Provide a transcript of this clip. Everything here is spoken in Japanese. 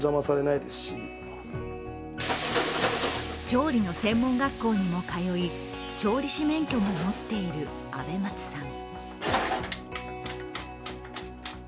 調理の専門学校にも通い調理師免許も持っているあべ松さん。